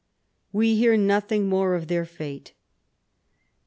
We hear nothing more of their fate.